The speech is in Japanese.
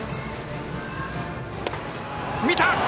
見た！